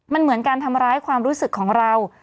มันเหมือนการทำร้ายความรู้สึกของเรา